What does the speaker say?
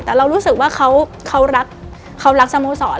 แต่เรารู้สึกว่าเขารักสโมสร